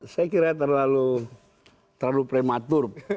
saya kira terlalu prematur